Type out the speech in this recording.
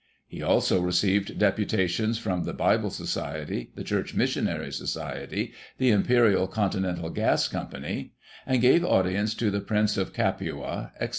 He also received deputations from the Bible Society, the Church Missionary Society, the ImpericJ Con tinental Gas Company ; and gave audience to the Prince of Capua, etc.